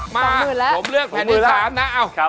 ๒หมื่นแล้วมาผมเลือกแผนที่๓นะอ้าวครับ